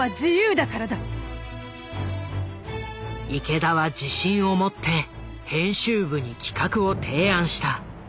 池田は自信を持って編集部に企画を提案した。